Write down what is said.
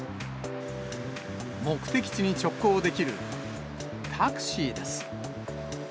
目的地に直行できるタクシーです。